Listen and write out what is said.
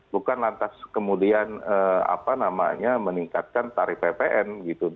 bukan lantas kemudian apa namanya meningkatkan tarif ppn gitu